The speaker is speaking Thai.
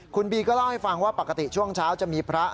คุณบีก็เล่าให้ฟังว่าปกติช่วงเช้าจะมีพระ